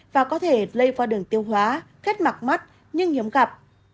và có thể lây vào đường tiêu hóa khét mặc mắt nhưng hiếm cặp